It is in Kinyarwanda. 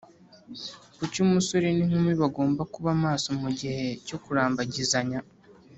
Kuki umusore n’inkumi bagomba kuba maso mu gihe cyo kurambagizanya?